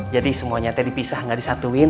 jadi semuanya dipisah ga disatuin